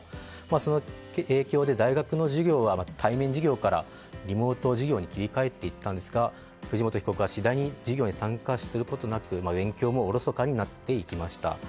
その影響で大学の授業は対面授業からリモート授業に切り替わっていったんですが藤本被告は次第に授業に参加することなく勉強もおろそかになりました。